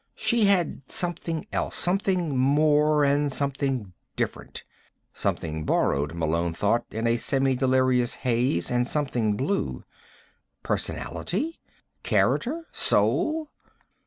She had something else, something more and something different. (Something borrowed, Malone thought in a semi delirious haze, and something blue.) Personality? Character? Soul?